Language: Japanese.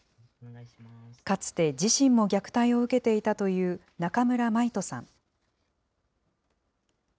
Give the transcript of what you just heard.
かつて、自身も虐待を受けていたという中村舞斗さん。